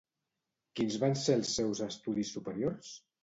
Quins van ser els seus estudis superiors?